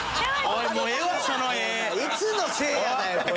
いつのせいやだよこれ！